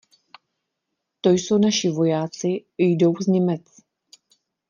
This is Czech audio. To jsou naši vojáci, jdou z Němec.